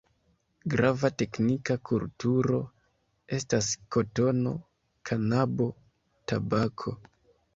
Grava teknika kulturo estas kotono, kanabo, tabako.